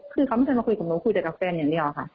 คือเขาไม่เคยมาคุยกับหนูคุยแต่กับแฟนอย่างเดียวค่ะ